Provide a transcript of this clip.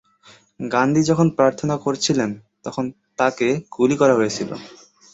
গান্ধী যখন প্রার্থনা করছিলেন, তখন তাকে গুলি করা হয়েছিল।